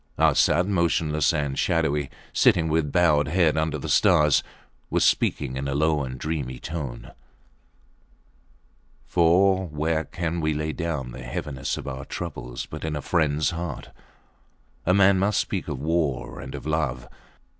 Arsat, motionless and shadowy, sitting with bowed head under the stars, was speaking in a low and dreamy tone ... for where can we lay down the heaviness of our trouble but in a friends heart? A man must speak of war and of love.